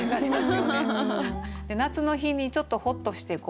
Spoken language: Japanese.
夏の日にちょっとほっとして。